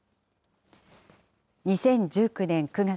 ２０１９年９月、